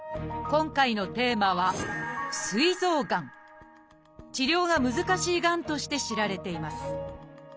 今回のテーマは治療が難しいがんとして知られています